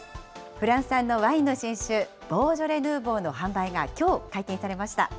フランス産のワインの新酒、ボージョレ・ヌーボーの販売がきょう、解禁されました。